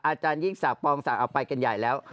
อาจารย์ยิ่งสากปองสากเอาไปกันใหญ่แล้ว